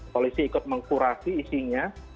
polisi ikut mengkurasi isinya